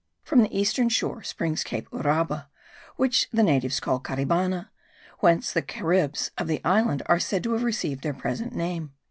"From the eastern shore springs Cape Uraba, which the natives call Caribana, whence the Caribs of the island are said to have received their present name."